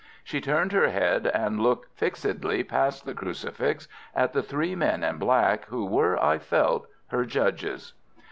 She turned her head and looked fixedly past the crucifix at the three men in black, who were, I felt, her judges.